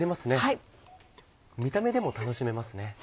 見た目でも楽しめますね。